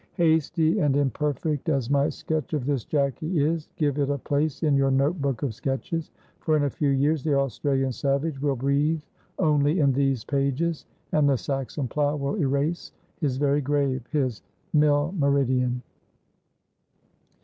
Hasty and imperfect as my sketch of this Jacky is, give it a place in your notebook of sketches, for in a few years the Australian savage will breathe only in these pages, and the Saxon plow will erase his very grave, his milmeridien.